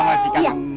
masih kangen dia